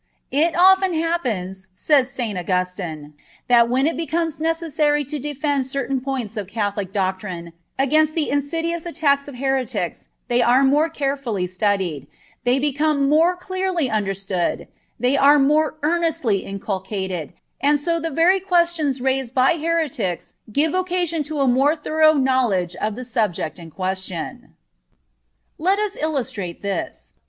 "It often happens," says St. Augustine, "that when it becomes necessary to defend certain points of Catholic doctrine against the insidious attacks of heretics they are more carefully studied, they become more clearly understood, they are more earnestly inculcated; and so the very questions raised by heretics give occasion to a more thorough knowledge of the subject in question."(29) Let us illustrate this.